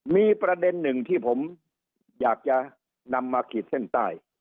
มีประเด็นหนึ่งที่ผมอยากจะนำมาขีดเส้นใต้